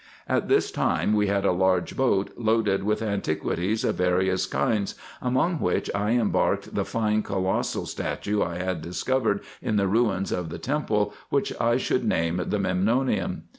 At this time we had a large boat loaded with antiquities of various kinds, among which I embarked the fine colossal statue I had discovered in the ruins of the temple, which I should name the Memnonium.